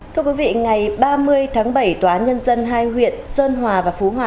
thưa quý vị ngày ba mươi tháng bảy tòa án nhân dân hai huyện sơn hòa và phú hòa